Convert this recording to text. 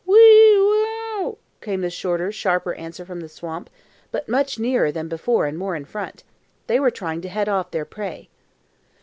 "Whw ee wow," came the shorter, sharper answer from the swamp, but much nearer than before and more in front. They were trying to head off their prey.